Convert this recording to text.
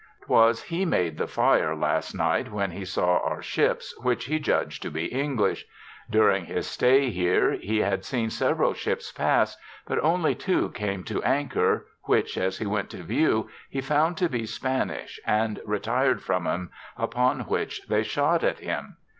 " 'Twas he made the fire last night when he saw our ships, which he judg'd to be English. During his stay here he had seen several ships pass, but only two came to anchor, which as he went to view he found to be Spanish and retired from 'em, upon which they shot at him.